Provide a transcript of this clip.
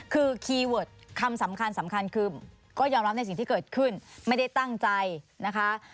คือคีย์เวิร์ดคำสำคัญสำคัญคือก็ยอมรับในสิ่งที่เกิดขึ้นไม่ได้ตั้งใจนะคะ